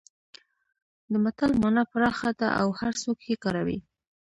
د متل مانا پراخه ده او هرڅوک یې کاروي